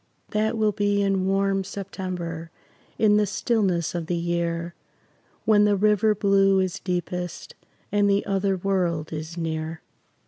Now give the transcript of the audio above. That will be in warm September, In the stillness of the year, When the river blue is deepest And the other world is near.